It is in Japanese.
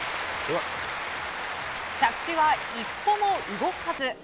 着地は一歩も動かず。